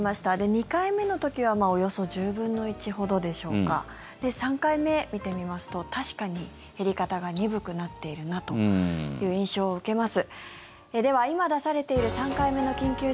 ２回目の時はおよそ１０分の１ほどでしょうか３回目見てみますと確かに減り方が鈍くなっているなという印象を受けます。